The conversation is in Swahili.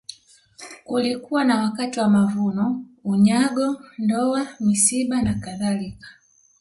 Kulikuwa na wakati wa mavuno unyago ndoa misiba na kadhalika